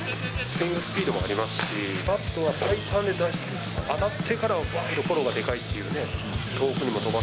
スイングスピードもありますし、バットは最短で出しつつ、当たってからはばーんとフォローがでかいっていうね。